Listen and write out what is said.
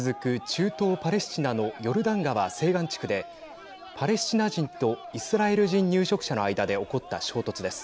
中東パレスチナのヨルダン川西岸地区でパレスチナ人とイスラエル人入植者の間で起こった衝突です。